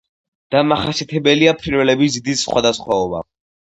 დამახასიათებელია ფრინველების დიდი სხვადასხვაობა.